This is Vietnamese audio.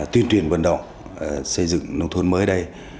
tuyên truyền vận động xây dựng đông thôn mới ở đây